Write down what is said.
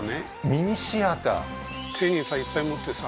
ミニシアター手にさいっぱい持ってさ